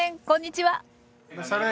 こんにちは。